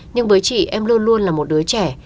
nhưng với chị em luôn luôn là một đứa trẻ